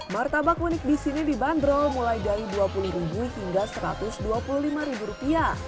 martabak unik di sini dibanderol mulai dari rp dua puluh hingga rp satu ratus dua puluh lima